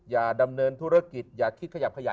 อย่าดำเนินธุรกิจอย่าคิดขยับขยะ